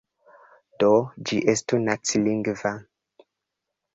Do, ĝi estu nacilingva.